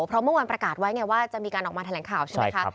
เพราะเมื่อวานประกาศไว้ไงว่าจะมีการออกมาแถลงข่าวใช่ไหมคะ